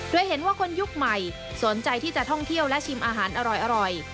โดยเห็นว่าคนยุคใหม่สนใจที่จะท่องเที่ยวและชิมอาหารอร่อย